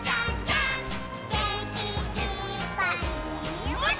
「げんきいっぱいもっと」